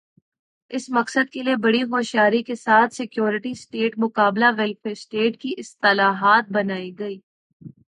اس مقصد کے لئے بڑی ہوشیاری کے ساتھ سیکورٹی سٹیٹ بمقابلہ ویلفیئر سٹیٹ کی اصطلاحات بنائی گئیں۔